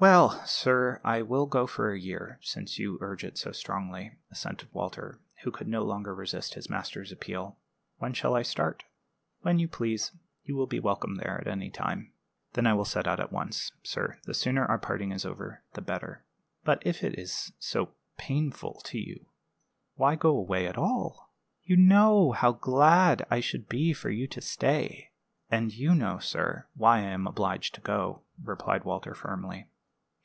"Well, sir, I will go for a year, since you urge it so strongly," assented Walter, who could no longer resist his master's appeal. "When shall I start?" "When you please. You will be welcome there at any time." "Then I will set out at once, sir; the sooner our parting is over, the better." "But if it is so painful to you, why go away at all? You know how glad I should be for you to stay." "And you know, sir, why I am obliged to go," replied Walter, firmly.